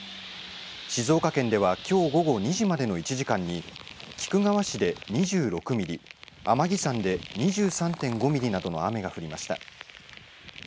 静岡県ではきょう午後２時までの１時間に菊川市で２６ミリ、天城山で２３．５ミリなどの雨が降りました。